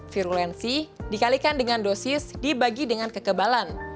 virulensi dikalikan dengan dosis dibagi dengan kekebalan